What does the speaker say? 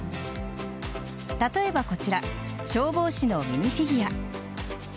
例えば、こちら消防士のミニフィギュア。